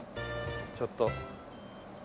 ちょっと。